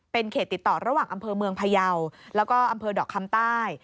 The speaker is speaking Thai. เป็นเขตติดต่อระหว่างอำเภอเมืองพยาวแล้วก็อำเภอดอกคำใต้